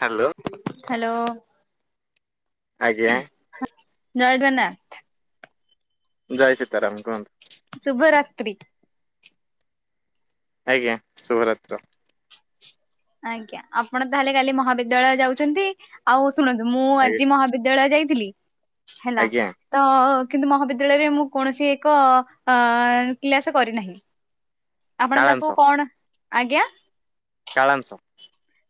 Hello. Hello. ଆଜ୍ଞା। ନୟନନ୍ନାଥ। ଜୟ ସୀତାରାମ କୁହନ୍ତୁ। ଶୁଭ ରାତ୍ରି। ଆଜ୍ଞା ଶୁଭରାତ୍ର। ଆଜ୍ଞା ଆପଣ ତାହେଲେ କାଲି ମହାବିଦ୍ୟାଳୟ ଯାଉଛନ୍ତି। ଆଉ ଶୁଣନ୍ତୁ ମୁଁ ଆଜ୍ଞା ଆଜି ମହାବିଦ୍ୟାଳୟ ଯାଇଥିଲି ହେଲା। ଆଜ୍ଞା ତ କିନ୍ତୁ ମହାବିଦ୍ୟାଳୟରେ ମୁଁ କୌଣସି ଏକ ଅ କ୍ଳାସ କରିନାହିଁ। ଆପଣ ତାକୁ କାଳାଂଶ କଣ ଆଜ୍ଞା। କାଳାଂସ।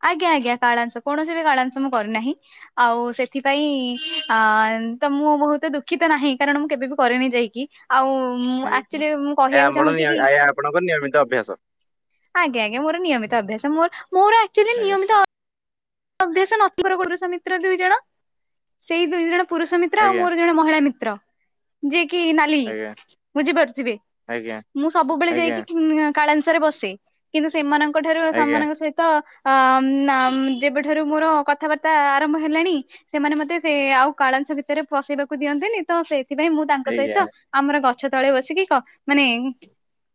ଆଜ୍ଞା ଆଜ୍ଞା କାଳାଂଶ କୌଣସି ବି କାଳାଂଶ ମୁଁ କରିନାହିଁ। ଆଉ ସେଥିପାଇଁ ଅ୍ଆ ତ ମୁଁ ବହୁତ ଦୁଃଖୀିତ ନାହିଁ କାରଣ ମୁଁ କେବେ ବି କରେନି ଯାଇକି। ଆଉ ମୁଁ ଆଜ୍ଞା ଆକ୍ଚୁୋଲି ମୁଁ ଏହା କହିବାକୁ ଆପଣ ଚାହୁଁଚି କି ଏହା ଆପଣଙ୍କର ନିୟମିତ ଅଭ୍ୟାସ ଆଜ୍ଞା ଆଜ୍ଞା ମୋର ନିୟମିତ ଅଭ୍ୟାସ ମୋର ମୋର ଆକ୍ଚୋଲି ଆଜ୍ଞା ନିୟମିତ ଅ ଅଭ୍ୟାସ [unintelligible] ପୁରୁଷ ମିତ୍ର ଦୁଇ ଜଣ ସେଇ ଦୁଇ ଜଣ ପୁରୁଷ ମିତ୍ର ଆଉ ଆଜ୍ଞା ମୋର ଜଣେ ମହିଳା ମିତ୍ର ଯିଏକି ନା ଲି ଆଜ୍ଞା ବୁଝିପାରୁଥିବେ ଆଜ୍ଞା ମୁଁ ସବୁବେଳେ ଆଜ୍ଞା ଯାଇକି ଇଁ କାଳାଂସରେ ବସେ। କିନ୍ତୁ ସେମାନଙ୍କ ଠାରୁ ଆଜ୍ଞା ସେମାନଙ୍କ ସହିତ ଅମ ନାମ ଯେବେଠାରୁ ମୋର କଥାବାର୍ତ୍ତା ଆରମ୍ଭ ହେଲାଣି। ସେମାନେ ମତେ ସେ ଆଉ କାଳାଂସ ଭିତରେ ପସେଇବାକୁ ଦିଅନ୍ତିନି ତ ସେଇଥିପାଇଁ ମୁଁ ତାଙ୍କ ଆଜ୍ଞା ସହିତ ଆମର ଗଛ ତଳେ ବସିକି କ ମାନେ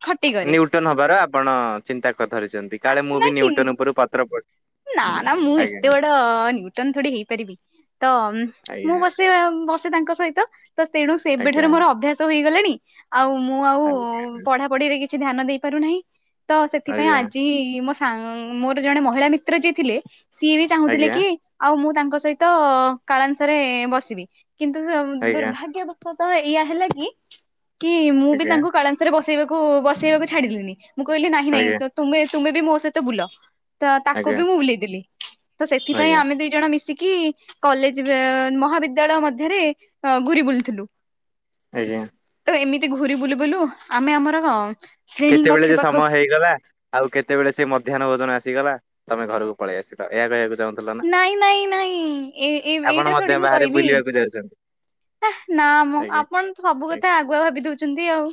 ଖଟି କରେ ନ୍ୟୁଟନ ହବାର ଆପଣ ଚିନ୍ତା କରି ଧରିଚନ୍ତି କାଳେ ମୁଁ ବି ନାଇଁ ନ୍ୟୁଟନ ଉପରୁ ପତ୍ର ପ ନା ନା ମୁଁ ଏତେ ଆଜ୍ଞା ବଡ ନ୍ୟୁଟନ ଥୋଡି ହେଇପାରିବି ତ ମୁଁ ଆଜ୍ଞା ବସେ ବ ତାଙ୍କ ସହିତ ତ ତେଣୁ ଆଜ୍ଞା ସେବେଠାରୁ ମୋର ଅଭ୍ୟାସ ହେଇଗଲାଣି ଆଉ ମୁଁ ଆଉ ଆଜ୍ଞା ଆଜ୍ଞା ପଢା ପଢିରେ କିଛି ଧ୍ୟାନ ଦେଇ ପାରୁନାହିଁ ତ ସେଥିପାଇଁ ଆଜ୍ଞା ଆଜି ମୋ ସା ମୋର ଜଣେ ମହିଳା ମି ତ୍ର ଯିଏ ଥିଲେ ସିଏ ବି ଚାହୁଁଥିଲେ ଆଜ୍ଞା କି ଆଉ ମୁଁ ତାଙ୍କ ସହିତ କାଳାଂତରେ ବସିବି କିନ୍ତୁ ଆଜ୍ଞା ଆଜ୍ଞା ଦୁର୍ଭାଗ୍ୟ ବସତ ଏଇଆ ହେଲା କି କି ମୁଁ ବି ଆଜ୍ଞା ତାଙ୍କୁ କାଳାଂତରେ ବସେଇବାକୁ ବସେଇବାକୁ ଛାଡିଲିିନି। ମୁଁ କଇଲି ନାହିଁ ନାହିଁ ତ ତମେ ତୁମେ ବି ମୋ ସହିତ ବୁଲ ତ କୋବି ମୁଁ ବୁଲେଇଦେଲି ତ ସେଥିପାଇଁ ଆଜ୍ଞା ଆମେ ଦି ଜଣ ମିସ ଚିକି କଲେଜ ବେ ମହାବିଦ୍ୟାଳୟ ମଧ୍ୟରେ ଘୁରି ବୁଲୁଥିଲୁ। ଆଜ୍ଞା। ତ ଏମିତି ଘୁୁରି ବୁଲୁ ବୁଲୁ ଆମେ ଆମର ଶ୍ରେଣୀ କେତେବେଳେ କକ୍ଷ ଯେ ସମୟ ପାଖକୁ ହେଇଗଲା ଆଉ କେତେବେଳେ ସେ ମଧ୍ୟାହ୍ନ ଭୋଜନ ଆସିଗଲା ତମେ ଘରକୁ ପଳେଇ ଆସିଲ ଏୟା କହିବାକୁ ଚାହୁଁ ଥୁଲନା ନାଇଁ ନାଇଁ ନାଇଁ ଏ ଏ [inaudible] ଏଇଟା ଆପଣ ମଧ୍ୟ ବାହାରେ ବୁଲିବାକୁ ଯାଉଛନ୍ତି। ହେ ନାଁ ମ ଆଜ୍ଞା ଆପଣତ ସବୁ ଆଜ୍ଞା କଥା ଆଗୁଆ ଭାବି ଦଉଛନ୍ତି ଆଉ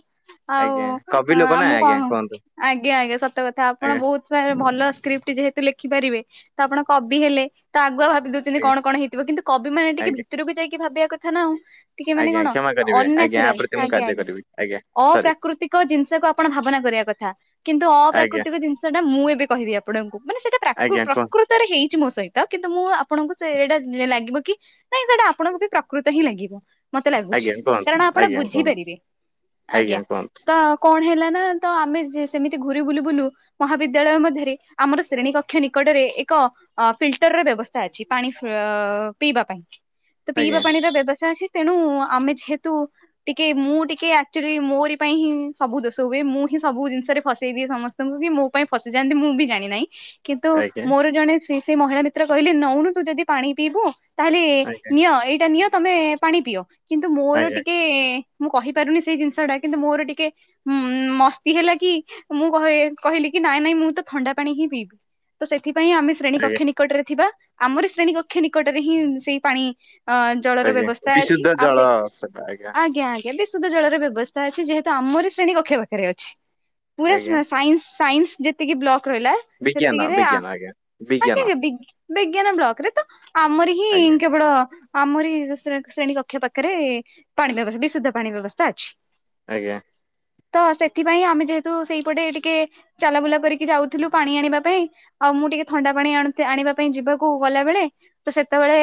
ଆଉ ଆଜ୍ଞା ଅଁ କବି ଲୋକ ନାଁ ନା ମୁଁ ଆଜ୍ଞା କଣ କୁହନ୍ତୁ ଆଜ୍ଞା ଆଜ୍ଞା ସତ କଥା ଆପଣ ଆଜ୍ଞା ବହୁତ [unintelligible] ଭଲ ସ୍କ୍ରିପ୍ଟ ଯେହେତୁ ଲେଖିପାରିବେ ତ ଆପଣ କବି ହେଲେ ତ ଆଗୁଆ ଭାବିଦଉ ଆକ୍ଚୋଲି ଆଜ୍ଞା କଣ କଣ ହେଇଥିବ କିନ୍ତୁ କବି ମାନେ ଟିକେ ଆଜ୍ଞା ଭିତରକୁ ଯାଇକି ଭାବିବା କଥା ନା ଆଉ। ଟିକେ ମାନେ ଆଜ୍ଞା କଣ କ୍ଷମା କରିବେ ଆଜ୍ଞା ଆ ଅନ୍ୟାଚୁରାଲ ପ୍ରତି ମୁଁ ଆଜ୍ଞା କାର୍ଯ୍ୟ ଆଜ୍ଞା କରିବି ଆଜ୍ଞା ସରି ଅପ୍ରାକୃତିକ ଜିନିଷକୁ ଆପଣ ଭାବନା କରିବା କଥା। କିନ୍ତୁ ଆଜ୍ଞା ଅପ୍ରାକୃତିକ ଜିନିଷ ଟା ମୁଁ ଏବେ କହିବି ଆପଣଙ୍କୁ ମାନେ ସେଇଟା ପ୍ରାକୃ ଆଜ୍ଞା କୁହନ୍ତୁ ପ୍ରକୃତରେ ହେଇଛି ମୋ ସହିତ। କିନ୍ତୁ ମୁଁ ଆପଣଙ୍କୁ ସେ ଏଟା ଲାଗିବ କି ନାଇଁ ସେଇଟା ଆପଣଙ୍କୁ ବି ପ୍ରକୃତ ହିଁ ଲାଗିବ। ମତେ ଲାଗୁଛି ଆଜ୍ଞା କୁହନ୍ତୁ କାରଣ ଆପଣ ଆଜ୍ଞା କୁହନ୍ତୁ ବୁଝିପାରିବେ ଆଜ୍ଞା ତ କଣ ହେଲା ନା ତ ଆମେ ଯେ ସେମିତି ଘୁରି ବୁଲ ବୁଲୁ ମହାବିଦ୍ୟାଳୟ ମଧ୍ୟରେ ଆମର ଶ୍ରେଣୀ କକ୍ଷ ନିକଟରେ ଏକ ଅ ଫିଲ୍ଟର ର ବ୍ୟବସ୍ଥା ଅଛି ପାଣି ଫ୍ରି-ଅ-ପିଇବା ପାଇଁ ତ ଆଜ୍ଞା ପିଇବା ର ବ୍ୟବସ୍ଥା ଅଛି ତେଣୁ ଆମେ ଯେହେତୁ ଟିକେ ମୁଁ ଟିକେ ଆକ୍ଚୋଲି ମୋରି ପାଇଁ ହିଁ ସବୁ ଦୋଷ ହୁଏ ମୁଁ ହିଁ ସବୁ ଜିନିଷରେ ଫସେଇ ଦିଏ ସମ ତମେ ବି ମୋ ପାଇଁ ଫସିଯାଆନ୍ତି ମୁଁ ବି ଜାଣିନାହିଁ। କିନ୍ତୁ ଆଜ୍ଞା ମୋର ଜଣେ ସେ ସେ ମହିଳା ମିତ୍ର କହିଲେ ନଉନୁ ତୁ ଯଦି ପାଣି ପିଇବୁ ତାହେଲେ ଆଜ୍ଞା ନିଅ ଏଇଟା ନିଅ ତମେ ପାଣି ପିଅ କିନ୍ତୁ ମୋର ଆଜ୍ଞା ଟିକେ ମୁଁ କହିପାରୁନି ସେଇ ଜିନିଷଟା କିନ୍ତୁ ମୋର ଟିକେ ହୁଁ ମସ୍ତି ହେଲା କି ମୁଁ କହେ କହିଲି କି ନାଇଁ ନାଇଁ ମୁଁ ତ ଥଣ୍ଡା ପାଣି ହିଁ ପିଇବି। ତ ସେଥିପାଇଁ ଆମେ ଶ୍ରେଣୀ ଆଜ୍ଞା କକ୍ଷ ନିକଟରେ ଥିବା ଆମରୀ ଶ୍ରେଣୀ କକ୍ଷ ନିକଟରେ ହିଁ ସେଇ ପାଣି ଅ ଜଳର ଆଜ୍ଞା ବ୍ୟବସ୍ଥା ଅଛି ବିଶୁଦ୍ଧ ଆଉ ଜଳ ସେ ସେବା ଆଜ୍ଞା ଆଜ୍ଞା। ଆଜିକାଲି ସୁଦ୍ଧ ଜଳର ବ୍ୟବସ୍ଥା ଅଛି ଯେହେତୁ ଆମରୀ ଶ୍ରେଣୀ କକ୍ଷ ପାଖରେ ଅଛି। ପୁରା ଆଜ୍ଞା ସା ସାଇନ୍ସ ସାଇନ୍ସ ଯେତିକି ବ୍ଲକ ରହିଲା ବିଜ୍ଞାନ ସେତିକିରେ ଆଁ ବିଜ୍ଞାନ ଆଜ୍ଞା ବିଜ୍ଞାନ ଆଜ୍ଞା ଆଜ୍ଞା ବିଗ୍ ବିଜ୍ଞାନ ବ୍ଲକରେ ତ ଆମର ହିଁ ଆଜ୍ଞା କେବଳ ଆମରି ଶ୍ରେଣୀ କକ୍ଷ ପାଖରେ ପାଣି ବ୍ୟବସ୍ଥା ବିଶୁଦ୍ଧ ପାଣି ବ୍ୟବସ୍ଥା ଅଛି। ଆଜ୍ଞା। ତ ସେଥିପାଇଁ ଆମେ ଯେହେତୁ ସେଇପଟେ ଟିକେ ଚାଲାବୁଲା କରିକି ଯାଉଥିଲୁ ପାଣି ଆଣିବା ପାଇଁ ଆଉ ମୁଁ ଟିକେ ଥଣ୍ଡା ପାଣି ଆ ଆଣିବା ପାଇଁ ଯିବାକୁ ଗଲାବେଳେ ତ ସେତେବେଳେ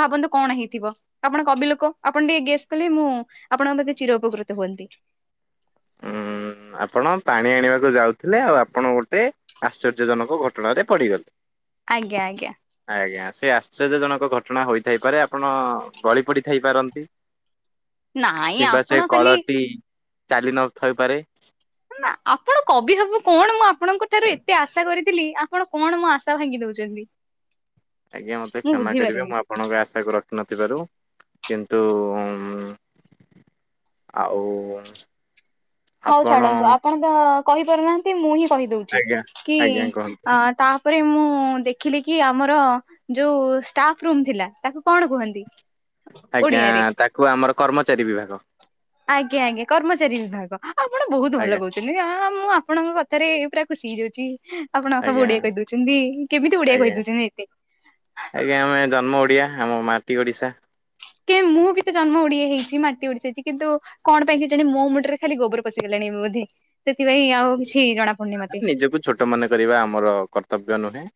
ଭାବନ୍ତୁ। କଣ ହେଇଥିବ ଆପଣ କବି ଲୋକ ଆପଣ ଟିକେ ଗେସ୍ କଲେ ମୁଁ ଆପଣଙ୍କ ପ୍ରତି ଚିର ଉପକୃତ ହୁଅନ୍ତି। ଉଁ ଆପଣ ପାଣି ଆଣିବାକୁ ଯାଉଥିଲେ ଆଉ ଆପଣ ଗୋଟେ ଆଶ୍ଚର୍ଯ୍ୟଜନକ ଘଟଣାରେ ପଡିଗଲେ। ଆଜ୍ଞା ଆଜ୍ଞା। ଆଜ୍ଞା ସେ ଆଶ୍ଚର୍ଯ୍ୟଜନକ ଘଟଣା ହୋଇଥାଇପାରେ ଆପଣ ଗଳି ହ ପଡ଼ିଥାଇପାରନ୍ତି। କିମ୍ବା ସେ କଳଟି ଚାଲି ନଥୋଇପାରେ। ନା ଆପଣ କବି ହବୁ କଣ ମୁଁ ଆପଣଙ୍କ ଠାରୁ ଏତେ ଆଶା କରିଥିଲି ଆପଣ କଣ ମୋ ଆଶା ଭାଙ୍ଗି ଦଉଛନ୍ତି। [inaudible] ଆଜ୍ଞା ମୋତେ ମୁଁ କ୍ଷମା କରିବେ ବୁଝିପାରୁନି। ମୁଁ ଆପଣଙ୍କ ଆଶାକୁ ରଖିନଥିବାରୁ କିନ୍ତୁ ଆଉ ହଉ ଆପଣ ଛାଡନ୍ତୁ ଆପଣ ତ କହିପାରୁନାହାନ୍ତି, ମୁଁ ହିଁ କହିଦଉଛି ଆଜ୍ଞା କି ଆଜ୍ଞା କୁହନ୍ତୁ ତା ପରେ ମୁଁ ଦେଖିଲି କି ଆମର ଯୋଉ ଷ୍ଟାଫ ରୁମ୍ ଥିଲା ତାକୁ କଣ କୁହନ୍ତି? ଆଜ୍ଞା, ଓଡିଆରେ? ତାକୁ ଆମର କର୍ମଚାରୀ ବିଭାଗ। ଆଜ୍ଞା ଆଜ୍ଞା, କର୍ମଚାରୀ ବିଭାଗ ଆପଣ ବହୁତ ଭଲ ଆଜ୍ଞା କହୁ ଚନ୍ତି, ଆଁ ମୁଁ ଆପଣଙ୍କ କଥାରେ ପୁରା ଖୁସି ହେଇଯାଉଚି। ଆପଣ ସବୁ ଆଜ୍ଞା ଓଡିଆ କହିଦଉଛନ୍ତି, କେମିତି ଓଡିଆ ଆଜ୍ଞା କହିଦଉଛନ୍ତି ଏତେ? ଆଜ୍ଞା ଆମେ ଜନ୍ମ ଓଡିଆ। ଆମ ମାଟି ଓଡ଼ିଶା। କେ ମୁଁ ବି ତ ଜନ୍ମ ଓଡିଆ ହେଇଛି ମାଟି ଉଡିଯାଇଛି କିନ୍ତୁ କଣ ପାଇଁ କେଜାଣି ମୋ ମୁଣ୍ଡରେ ଖାଲି ଗୋବର ପଶିଗଲାଣି ଏ ବୋଧେ ସେଥିପାଇଁ ଆଉ କିଛି ଜଣାପଡୁନି ମତେ। ଟ ମନେ କରିବା ଆମର କର୍ତ୍ତବ୍ୟ ନୁହେଁ।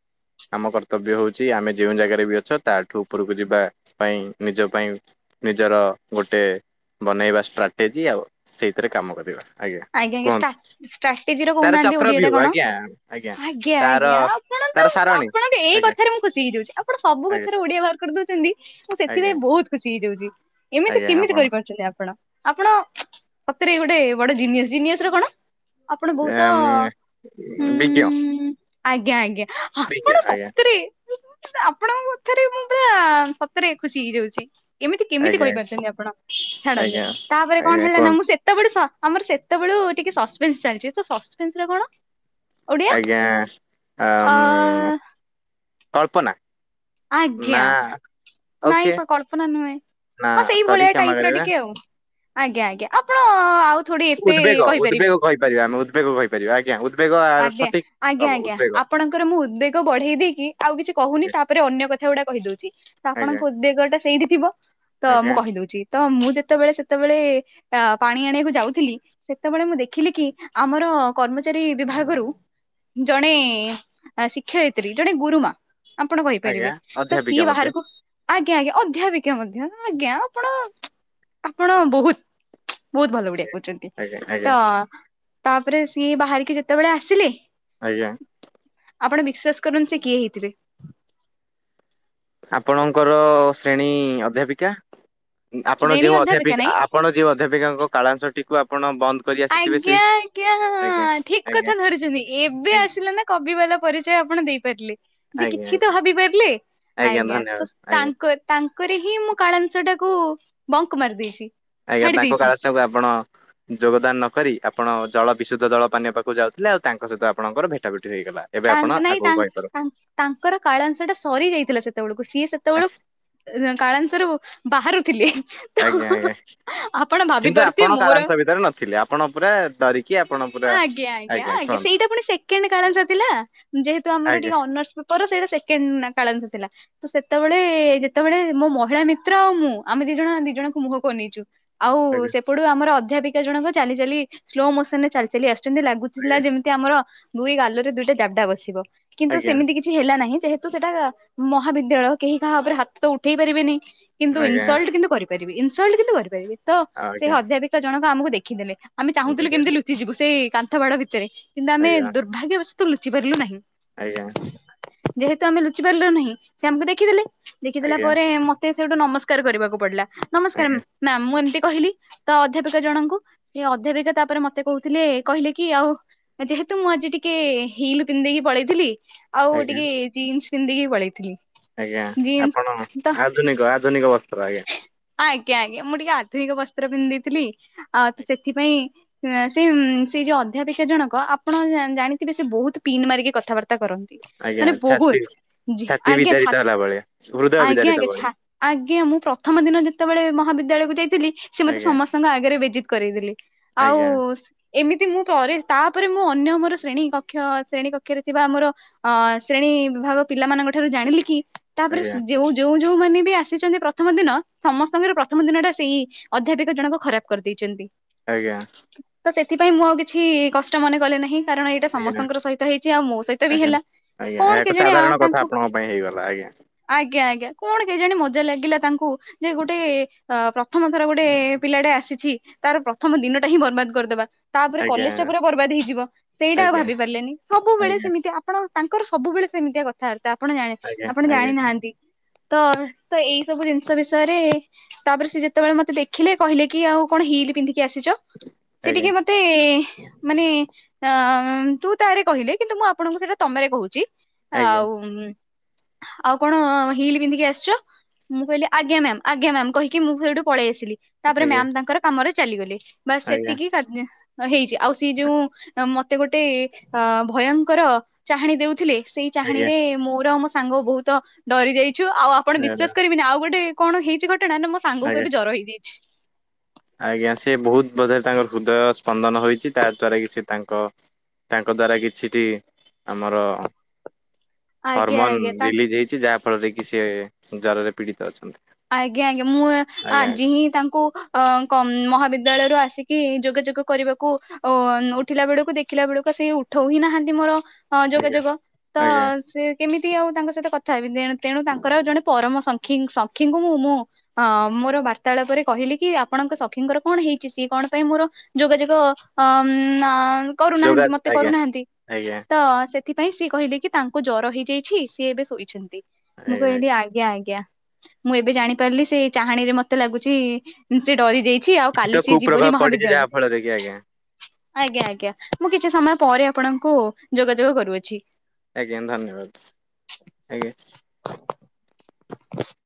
ଆମ କର୍ତ୍ତବ୍ୟ ହଉଛି ଆମେ ଯେଉଁ ଜାଗାରେ ବି ଅଛ ତାଠୁ ଉପରକୁ ଯିବା। ପାଇଁ ନିଜ ପାଇଁ ନିଜର ଗୋଟେ ବନେଇବା ଷ୍ଟ୍ରାଟେଜି ଆଉ ସେଇଥିରେ କାମ କରିବା। ଆଜ୍ଞା ଆଜ୍ଞା ଷ୍ଟା ଷ୍ଟ୍ରାଟେଜି ର ତାର କହୁନାହାନ୍ତି ଚକ୍ର ଓଡିଆ ଟା ଭ୍ୟୁ କଣ, ଆଜ୍ଞା ଆଜ୍ଞା ତାର ଆଜ୍ଞା ଆପଣ ତ ତାର ସାରଣୀ ଆପଣ ଏଇ ଆଜ୍ଞା କଥା ଥାରେ ମୁଁ ଖୁସି ହେଇଜାଉଛି ଆପଣ ସବୁ ଆଜ୍ଞା କଥାରେ ଓଡିଆ ବାହାର କରିଦଉଛନ୍ତି ମୁଁ ଆଜ୍ଞା ସେଥିପାଇଁ ବହୁତ ଖୁସି ହେଇଯାଉଚି। ଏମିତି ଆଜ୍ଞା କେମିତି ଆପଣ କରିପାରୁଛନ୍ତି ଆପଣ? ଆପଣ ସତରେ ଗୋଟେ ବଡ ଜିନିଅସ୍, ଜିନିଅସ ର କଣ? ଆପଣ ବହୁତ ହୁଁ, ଆଜ୍ଞା ଆଜ୍ଞା। ଆପଣ [unintelligible] ଆଇଁ ଆ। ସତରେ ଆପଣଙ୍କ କଥାରେ ମୁଁ ପୁରା ସତରେ ଖୁସି ହେଇଯାଉଛି। ଏମିତି କେମିତି ଆଜ୍ଞା କହିପାରୁଛନ୍ତି ଆପଣ, ଛାଡନ୍ତୁ ଆଜ୍ଞା ତାପରେ କଣ ଆଜ୍ଞା ହେଲା ନା କୁହନ୍ତୁ ମୁଁ ସେତେବେଳୁ ଆମର ସେତେବେଳୁ ଟିକେ ସସପେନ୍ସ ଚାଲିଛି, ତ ସସପେନ୍ସ ରେ କଣ? ଓଡିଆ ଆଜ୍ଞା, ଆ ଅ କଳ୍ପନା। ଆଜ୍ଞା। ନା ଓକେ ନାଇଁ ସେ କଳ୍ପନା ନୁହେଁ, ନା ହଁ ସେଇ ସରି ଭଳିଆ କ୍ଷମା ଟାଇପ ର କରିବେ ଟିକେ ଆଉ। ଆଜ୍ଞା ଆଜ୍ଞା, ଆପଣ ଆଉ ଥୋଡି ଏତେ ଉଦବେଗ କହିପାରିବେ। ଉଦବେଗ କହିପାରିବା ଆମେ ଉଦବେଗ କହିପାରିବା ଆଜ୍ଞା ଉଦବେଗ ଆ ଆଜ୍ଞା ସଠିକ ଆଜ୍ଞା ହବ ଆଜ୍ଞା ଉଦ୍ବେଗ ଆପଣଙ୍କର ମୁଁ ଉଦବେଗ ବଢେଇ ଦେଇକି ଆଉ କିଛି କହୁନି, ତାପରେ ଅନ୍ୟ କଥା ଗୁଡା କହିଦଉଛି, ତ ଆଜ୍ଞା ଆପଣଙ୍କ ଉଦବେଗ ଟା ସେଇଠି ଥିବ ତ ଆଜ୍ଞା ମୁଁ କହି ଦୋଉଚି, ତ ମୁଁ ଯେତେବେଳେ ସେତେବେଳେ ପାଣି ଆଣିବାକୁ ଯାଉଥିଲି ସେତେବେଳେ ମୁଁ ଦେଖିଲି କି ଆମର କର୍ମଚାରୀ ବିଭାଗରୁ ଜଣେ ଶିକ୍ଷୟତ୍ରୀ ଜଣେ ଗୁରୁମା ଆପଣ କହେ ପାରିବେ ଆଜ୍ଞା ତ ଅଧ୍ୟାପିକା ସିଏ ମଧ୍ୟ ବାହାରକୁ ଆଜ୍ଞା ଆଜ୍ଞା ଅଧ୍ୟାପିକା ମଧ୍ୟ, ଆଜ୍ଞା ଆପଣ ଆପଣ ବହୁତ ବହୁତ୍ ଭଲ ବିଡିଏ କରୁଛନ୍ତି ଆଜ୍ଞା ଆଜ୍ଞା ତା ତାପରେ ସିଏ ବାହାରିକି ଯେତବେଳେ ଆସିଲେ ଆଜ୍ଞା। ଆପଣ ବିିଶ୍ଵାସ କରୁନ୍ତୁ ସିଏ କିଏ ହେଇଥିବେ ଆପଣଙ୍କର ଶ୍ରେଣୀ ଅଧ୍ୟାପିକା? ଆପଣ ଶ୍ରେଣୀ ଯେଉଁ ଅଧ୍ୟାପିକା ନାଇଁ? ଆପ୍ ଆପଣ ଯେଉଁ ଅଧ୍ୟାପିକାଙ୍କ କାଳାଂଶଟି ତୋ ଆପଣ ବନ୍ଦ କରିଆ ଆଜ୍ଞା ଆଜ୍ଞା ଠିକ୍ ଆଜ୍ଞା କଥା ଧରିଛନ୍ତି। ଏବେ ଆସିଲା ନା କବି ବାଲା ପରିଚୟ ଆପଣ ଦେଇପାରିଲେ। ଯେ ଆଜ୍ଞା ଆଜ୍ଞା କିଛି ତ ଆଜ୍ଞା ଭାବି ପାରିଲେ ଆଜ୍ଞା ଧନ୍ୟବାଦ ତ ଆଜ୍ଞା ତାଙ୍କର ତାଙ୍କରି ହିଁ ମୁଁ କାଳାଂସ ଟାକୁ ବଙ୍କ୍ ମାରି ଦେଇଚି ଆଜ୍ଞା ତାଙ୍କ କାଳାଂଶ ଟାକୁ ଆପଣ ଯୋଗଦାନ ନକରି ଆପଣ ଜଳ ବିଶୁଦ୍ଧ ଜଳ ପାନୀୟ ପାଖକୁ ଯାଉଥିଲେ ଆଉ ତାଙ୍କ ସହିତ ଆପଣଙ୍କର ଭେଟା ଭେଟି ହୋଇଗଲା। ତାଙ୍କ୍ ନାଇଁ ତାଙ୍କ୍ ତାଙ୍କର ତାଙ୍କର କାଳଂସ ଟା ସରି ଯାଇଥିଲା ସେତବେଳକୁ ସିଏ ସେତବେଳକୁ ନା କାଳାଂସ ରୁ ବାହାରୁଥିଲି ହିଁ। ଆଜ୍ଞା ଆଜ୍ଞା କିନ୍ତୁ ପାରୁଥିବେ ଆପଣ ମୋର କାଳାଂଶ ଭିତରେ ନଥିଲେ ଆପଣ ପୁରା ଡରିକି ଆପଣପ ଆଜ୍ଞା ଆଜ୍ଞା ଆଜ୍ଞା ସେଇଟା ପୁଣି ସେକେଣ୍ଡ କାଳାଂସ ଥିଲା ଯେହେତୁ ଆମର ଆଜ୍ଞା ଟିକେ ଅନର୍ସ ପେ ପର ସେଇଟା ସେକେଣ୍ଡ ନା କାଳାଂଶ ଥିଲା। ତ ସେତେବେଳେ ଯେତେବେଳେ ମୋ ମହିଳା ମିତ୍ର ଆଉ ମୁଁ ଆମେ ଦି ଜଣ ଦି ଜଣଙ୍କୁ ମୁହଁକୁ ଅନେଇଛୁ। ଆଉ ସେପଡୁ ଆମର ଅଧ୍ୟାପିକା ଜଣକ ଚାଲି ଚାଲି ସ୍ଲୋ ମୋସନ ରେ ଚାଲି ଚାଲି ଆସୁ ଯେମିତି ଲାଗୁଥିଲା ଯେମିତି ଆମର ଦୁଇ ଗାଲରେ ଦୁଇଟା ଜାବଡା ବସିବ କିନ୍ତୁ ଆଜ୍ଞା ସେମିତି କି କିଛି ହେଲା ନାହିଁ ଯେହେତୁ ସେଟା ମହାବିଦ୍ୟାଳୟ କେହି କାହା ଉପରେ ହାତ ତ ଉଠେଇ ପାରିବେନି। କିନ୍ତୁ ଆଜ୍ଞା ଇନସଲ୍ଟ କିନ୍ତୁ କରିପାରିବି ଇନସଲ୍ଟ କିନ୍ତୁ କରିପାରିବି ତ ଆଜ୍ଞା ସେଇ ଅଧ୍ୟାପିକା ଜଣକ ଆମକୁ ଦେଖିଦେଲେ। ଆମେ ଆଜ୍ଞା ଚାହୁଁଥିଲୁ ଆଜ୍ଞା କେମିତି ଲୁଚିଯିବୁ ସେଇ କାନ୍ଥ ବାଡ ଭିତରେ କିନ୍ତୁ ଆମେ ଆଜ୍ଞା ଆଜ୍ଞା ଦୁର୍ଭାଗ୍ୟବଶତଃ ଲୁଚି ପାରିଲୁ ନାହିଁ। ଆଜ୍ଞା। ଯେହେତୁ ଆମେ ଲୁଚି ପାରିଲୁ ନାହିଁ ସେ ଆମକୁ ଦେଖିଦେଲେ ଦେଖିଦେଲା ପରେ ମତ୍ ତେ ସେଠୁ ନମସ୍କାର କରିବାକୁ ପଡିଲା ନମସ୍କାର ଉମ୍ ନା ମୁଁ ଏମିତି କହିଲି ତ ଅଧ୍ୟାପିକା ଜଣଙ୍କୁ ସେ ଅଧ୍ୟାପିକା ତାପରେ ମତ୍ ମତେ କହୁଥିଲେ କହିଲେ କି ଆଉ ଯେହେତୁ ମୁଁ ଆଜି ଟିକେ ହିଲ ପିନ୍ଧିଦେଇକି ପଳେଇଥିଲି ଆଉ ଆଜ୍ଞା ଆଜ୍ଞା ଟିକେ ଜିନ୍ସ ପିନ୍ଧିଦେଇକି ପଳେଇଥିଲି। ଆଜ୍ଞା ଜିନ୍ସ ଆପଣ ତ ଆଧୁନିକ ଆଧୁନିକ ବସ୍ତ୍ର ଆଜ୍ଞା। ଆଜ୍ଞା ଆଜ୍ଞା ମୁଁ ଟିକେ ଆଧୁନିକ ବସ୍ତ୍ର ପିନ୍ଧିଦେଇଥିଲି ଆଉ ତ ସେଥିପାଇଁ ଏ ଆଁ ସେଇ ସେଇ ଯୋଉ ଅଧ୍ୟାପିକା ଜଣକ ଆପଣ ଜାଣ ଜାଣିଥିବେ ସେ ବହୁତ ପିନ୍ ମାରିକି କଥାବାର୍ତ୍ତା କରନ୍ତି। ଆଜ୍ଞା ମାନେ ଛାତି ବହୁତ ଛାତି ଆଜ୍ଞା ବିଦାରିତ ଛା ହେଲା ଭଳିଆ ହୃଦୟ ଆଜ୍ଞା ବିଦାରିତ ଆଜ୍ଞା ଭଳି ଛା ଆଜ୍ଞା ମୁଁ ପ୍ରଥମ ଦିନ ଯେତେବେଳେ ମହାବିଦ୍ୟାଳୟକୁ ଯାଇଥିଲି ସିଏ ମତେ ଆଜ୍ଞା ସମସ୍ତଙ୍କ ଆଗରେ ବେଜିତ୍ କରେଇଦେଲେ। ଆଉ ଆଜ୍ଞା ଏମିତି ମୁଁ ପରେ ତାପରେ ମୁଁ ଅନ୍ୟ ମୋର ଶ୍ରେଣୀ କକ୍ଷ ଶ୍ରେଣୀ କକ୍ଷରେ ଥିବା ଆମର ଅଁ ଶ୍ରେଣୀ ବିଭାଗ ପିଲାମାନଙ୍କ ଠାରୁ ଜାଣିଲି କି ତାପରେ ଆଜ୍ଞା ଯୋଉ ଯୋଉଁ ଯୋଉଁ ମାନେ ବି ଆସିଚନ୍ତି ପ୍ରଥମ ଦିନ ସମସ୍ତଙ୍କର ପ୍ରଥମ ଦିନ ଟା ସେଇ ଅଧ୍ୟାପିକ ଜଣକ ଖରାପ କରିଦେଇଚନ୍ତି। ଆଜ୍ଞା। ତ ସେଥିପାଇଁ ମୁଁ ଆଉ କିଛି କଷ୍ଟ ମନେ କଲେ ନାହିଁ। କାରଣ ଏଇଟା ଆଜ୍ଞା ସମସ୍ତଙ୍କ ସହିତ ହେଇଚି ଆଉ ମୋ ସହିତ ବି ଆଜ୍ଞା। ହେଲା। ଆଜ୍ଞା କଣ ଏହା ଏକ କେଜାଣି ସାଧାରଣ କଥା ତାଙ୍କୁ ଆପଣଙ୍କ ପାଇଁ ହେଇଗଲା ଆଜ୍ଞା। ଆଜ୍ଞା ଆଜ୍ଞା କଣ କେଜାଣି ମଜା ଲାଗିଲା ତାଙ୍କୁ ଯେ ଗୋଟେ ଅ ପ୍ରଥମ ଥର ଗୋଟେ ପିଲାଟେ ଆସିଛି, ତାର ପ୍ରଥମ ଦିନଟା ହିଁ ବର୍ବାଦ କରିଦବା। ତା'ପରେ ଆଜ୍ଞା କଲେଜ ଟା ପୁରା ବର୍ବାଦ ହେଇଯିବ। ସେଇଟା ଆଉ ଆଜ୍ଞା ଭାବି ପାରିଲେନି। ସବୁବେଳେ ଆଜ୍ଞା। ସେମିତିଆ ଆପଣ ତାଙ୍କର ସବୁବେଳେ ସେମିତିଆ କଥାଆର୍ତ୍ତା ଆପଣ ଜାଣି, ଆଜ୍ଞା ଆପଣ ଆଜ୍ଞା ଜାଣିନାହାଁନ୍ତି। ତ, ତ ଏଇ ସବୁ ଜିନିଷ ବିଷୟରେ ତା'ପରେ ସେ ଯେତେବେଳେ ମତେ ଦେଖିଲେ, କହିଲେ କି ଆଉ କଣ ହିଲ୍ ପିନ୍ଧିକି ଆସିଛ? ସେ ଟିକେ ଆଜ୍ଞା ମତ୍ ତେ-ଏଁ ମାନେ, ଅଁ ତୁ ତା ରେ କହିଲେ, କିନ୍ତୁ ମୁଁ ଆପଣଙ୍କୁ ସେଇଟା ତମେ ରେ କହୁଛି। ଆଜ୍ଞା ଆଉ-ଉଁ ଆଉ, କଣ ହିଲ୍ ପିନ୍ଧିକି ଆସିଛ? ମୁଁ କହିଲି ଆଜ୍ଞା ମ୍ୟାମ୍, ଆଜ୍ଞା ମ୍ୟାମ୍, କହିକ ମୁଁ ସେଇଠୁ ପଳେଇ ଆସିଲି। ଆଜ୍ଞା ତା'ପରେ ଆଜ୍ଞା ମ୍ୟାମ୍ ତାଙ୍କର କାମରେ ଚାଲିଗଲେ। ବାସ୍ ସେତିକି କାଟ୍ ଜେଁ ହେଇଛି। ଆଉ, ସିଏ ଯୋଉଁ ମତେ ଗୋଟେ ଅଁ ଭୟଙ୍କର ଚାହାଣୀ ଦେଉଥିଲେ, ସେଇ ଆଜ୍ଞା ଚାହାଁଣୀରେ, ମୋର ଆଉ ମୋ ସାଙ୍ଗ ବହୁତ ଡରି ଯାଇଛୁ। ଆଉ ଆପଣ ବିଶ୍ଵାସ କରିବେନି, ଆଉ ଗୋଟେ କଣ ହେଇଛି ଘଟଣା? ନା, ମୋ ସାଙ୍ଗକୁ ଆଜ୍ଞା। ଏବେ ଜର ହେଇଚି। ଆଜ୍ଞା, ସେ ବହୁତ ବୋଧେ! ତାଙ୍କର ହୃଦୟ ସ୍ପନ୍ଦନ ହୋଇଛି, ତା ଦ୍ଵାରା କି ସେ ତାଙ୍କ ତାଙ୍କ ଦ୍ୱାରା କିଛିଟି, ଆମରଁ ଆଜ୍ଞା ହରମୋନ୍ ଆଜ୍ଞା ତା ରିଲିଜ୍ ହେଇଛି, ଯାହା ଫଳରେ କି ସିଏ ଜରରେ ପୀଡ଼ିତ ଅଛନ୍ତି। ଆଜ୍ଞା, ଆଜ୍ଞା, ମୁଁ ଆଜ୍ଞା ଆଜି ହିଁ ତାଙ୍କୁ ଅ କଂମ୍ ମହାବିଦ୍ୟାଳୟରୁ ଆସିକି, ଯୋଗାଯୋଗ କରିବାକୁ ଓ ଉଠିଲା ବେଳକୁ, ଦେଖିଲା ବେଳକୁ, ସେଇ ଉଠଉ ହିଁ ନାହାଁନ୍ତି ମୋର ହଁ, ଆଜ୍ଞା ଯୋଗାଯୋଗ। ତଁ ଆଜ୍ଞା ସେ କେମିତି ଆଉ ତାଙ୍କ ସହିତ କଥା ହେବି? ତେଣୁ, ତେଣୁ ତାଙ୍କର ଜଣେ ପରମ ସଖୀଂ ସଖୀଙ୍କୁ ମୁଁ, ମୁଁ ହଁ, ମୋର ବାର୍ତ୍ତାଳାପ ରେ କହିଲି କି ଆପଣଙ୍କ ସଖୀଙ୍କର କଣ ହେଇଛି? ସିଏ କଣ ପାଇଁ ମୋର ଯୋଗାଯୋଗ ଅମ୍ ନା ଯୋଗା କରୁନାହାଁନ୍ତି ମତେ ଆଜ୍ଞା କରୁନାହାଁନ୍ତି। ଆଜ୍ଞା। ତ ସେ ସେଥିପାଇଁ ସିଏ କହିଲେ କି, ତାଙ୍କ ଜ୍ୱର ହେଇଯାଇଛି, ସିଏ ଏବେ ଶୋଇଛନ୍ତି। ମୁଁ ଆଜ୍ଞା କହିଲି ଆଜ୍ଞା ଆଜ୍ଞା। ମୁଁ, ଏବେ ଜାଣିପାରିଲି, ସେ ଚାହାଁଣୀରେ ମତେ ଲାଗୁଛି, ସେ ଡରି ଯାଇ ଛି, ଆଉ କିଛି ତ କାଲି ସିଏ କୁପ୍ରଭାବ ଯିବନି ପଡିଛି ମହାବିଦ୍ୟାଳୟ। ଯାହା ଫଳରେ କି ଆଜ୍ଞା ଆଜ୍ଞା ଆଜ୍ଞା, ମୁଁ କିଛି ସମୟ ପରେ ଆପଣଙ୍କୁ ଯୋଗାଯୋଗ କରୁଅଛି। ଆଜ୍ଞା, ଧନ୍ୟବାଦ। ଆଜ୍ଞା। [inaudible]